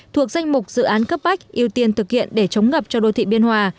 thuộc danh mục dự án cấp bách ưu tiên thực hiện để chống ngập cho đô thị biên hòa